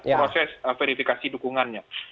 proses verifikasi dukungannya